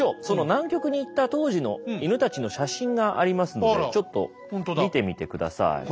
その南極に行った当時の犬たちの写真がありますのでちょっと見てみて下さい。